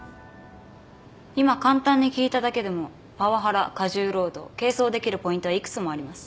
今簡単に聞いただけでもパワハラ過重労働係争できるポイントは幾つもあります。